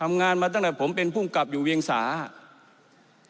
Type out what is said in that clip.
ทำงานมาตั้งแต่ผมเป็นผู้กลับอยู่เวียงสาธารณะฮะ